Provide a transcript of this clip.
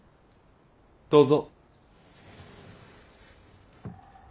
どうぞ。